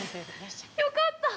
よかったぁ。